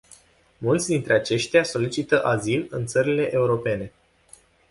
Mulți dintre aceștia solicită azil în țările europene.